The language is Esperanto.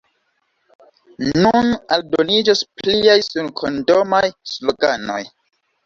Nun aldoniĝos pliaj surkondomaj sloganoj.